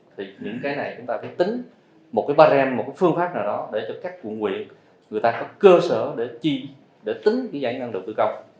thì những cái này chúng ta phải tính một cái bà rèm một cái phương pháp nào đó để cho các quận nguyện người ta có cơ sở để chi để tính giải ngừng đầu tư công